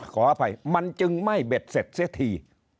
ขออภัยมันจึงไม่เบ็ดเสร็จเสียที